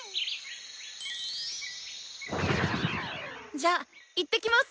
じゃあいってきます！